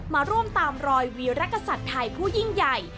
มาร่วมตามรอยวีรกษัตริย์ไทยผู้ยิ่งใหญ่